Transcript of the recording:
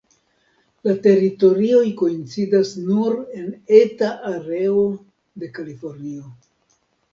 La teritorioj koincidas nur en eta areo de Kalifornio.